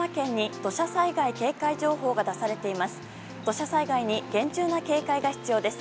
土砂災害に厳重な警戒が必要です。